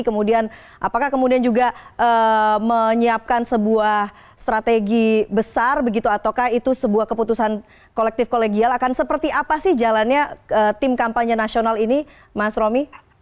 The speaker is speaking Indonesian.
kemudian apakah kemudian juga menyiapkan sebuah strategi besar begitu ataukah itu sebuah keputusan kolektif kolegial akan seperti apa sih jalannya tim kampanye nasional ini mas romi